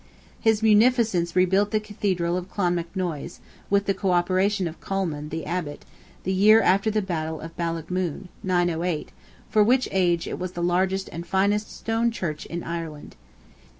His munificence rebuilt the Cathedral of Clonmacnoise, with the co operation of Colman, the Abbot, the year after the battle of Ballaghmoon (908); for which age, it was the largest and finest stone Church in Ireland.